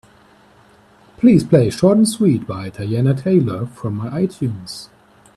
Please play Short And Sweet by Teyana Taylor from my itunes.